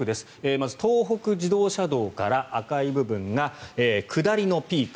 まず東北自動車道から赤い部分が下りのピーク